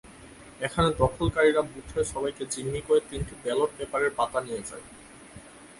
এখানে দখলকারীরা বুথের সবাইকে জিম্মি করে তিনটি ব্যালট পেপারের পাতা নিয়ে যায়।